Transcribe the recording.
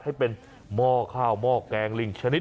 ยืนยันว่าม่อข้าวมาแกงลิงทั้งสองชนิด